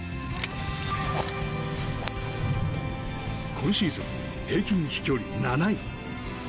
今シーズン平均飛距離７位。